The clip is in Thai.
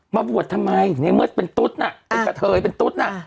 มาบวชทำไมในเมื่อเป็นตุ๊ดน่ะเป็นกะเทยเป็นตุ๊ดน่ะ